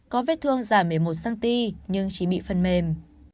có vết thương giảm một mươi một cm nhưng chỉ bị phần mềm